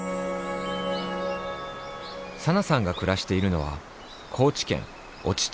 サナさんがくらしているのは高知県越知町。